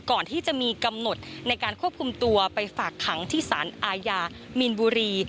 ก่อนที่จะมีกำหนดในการควบคุมตัวไปฝากขังที่สารอาญามีนบุรี